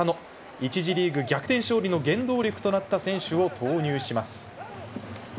１次リーグ逆転勝利の原動力となった選手を投入します。